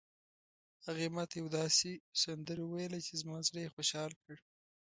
هغې ما ته یوه داسې سندره وویله چې زما زړه یې خوشحال کړ